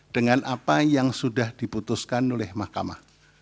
dengan apa yang sudah diputuskan oleh mahkamah